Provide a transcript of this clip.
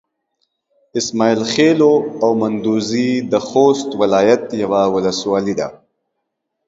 اسماعيل خېلو او مندوزي د خوست ولايت يوه ولسوالي ده.